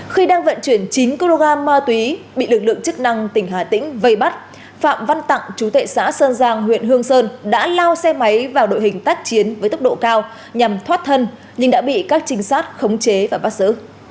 khi đang vận chuyển chín kg ma túy bị lực lượng chức năng tỉnh hà tĩnh vây bắt phạm văn tặng chú tệ xã sơn giang huyện hương sơn đã lao xe máy vào đội hình tác chiến với tốc độ cao nhằm thoát thân nhưng đã bị các trinh sát khống chế và bắt xử